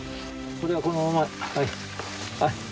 これはこのまま。